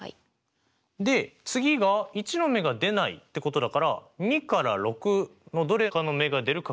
で次が１の目が出ないってことだから２から６のどれかの目が出る確率ってことですよね。